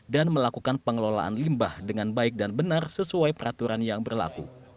dan melakukan pengelolaan limbah dengan baik dan benar sesuai peraturan yang berlaku